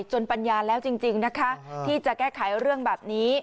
ปัญญาแล้วจริงนะคะที่จะแก้ไขเรื่องแบบนี้